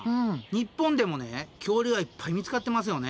日本でもね恐竜がいっぱい見つかってますよね。